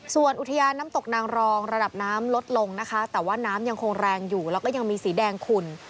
ส่วนอุทยานน้ำตกนางรองระดับน้ำลดลงนะคะแต่ว่าน้ำยังคงแรงอยู่แล้วก็ยังมีสีแดงขุ่น